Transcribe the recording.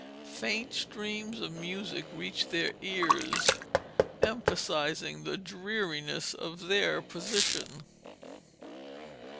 Faint streams of music reached their ears emphasizing the dreariness of their position.